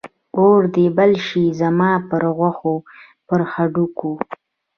اور دې بل شي زما پر غوښو، پر هډوکو